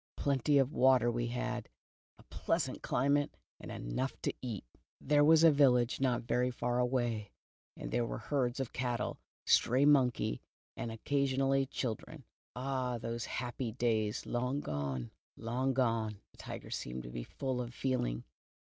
Plenty of water we had, a pleasant climate and enough to eat. There was a it'^^^Piffc ■m fk \ feH> 70 The Tiger on the Hudson. village not very far away and there were herds of cattle, stray monkeys, and occasional children. Ah, those happy days, long gone, long gone." (The Tiger seemed to be full of feeling.)